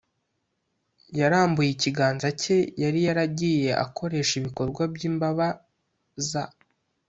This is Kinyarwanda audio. yarambuye ikiganza cye yari yaragiye akoresha ibikorwa by’imbabaz